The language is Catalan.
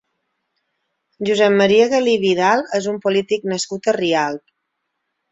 Josep Maria Galí i Vidal és un polític nascut a Rialb.